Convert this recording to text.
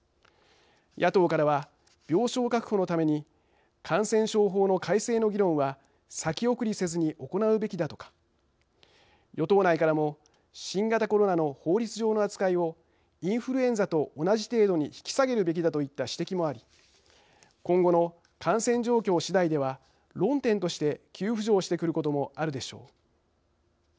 野党からは病床確保のために感染症法の改正の議論は先送りせずに行うべきだとか与党内からも新型コロナの法律上の扱いをインフルエンザと同じ程度に引き下げるべきだといった指摘もあり今後の感染状況しだいでは論点として急浮上してくることもあるでしょう。